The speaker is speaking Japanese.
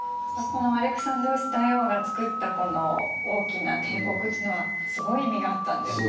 アレクサンドロス大王が作ったこの大きな帝国というのはすごい意味があったんですね。